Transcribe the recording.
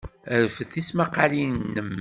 Rfed tismaqqalin-nnem.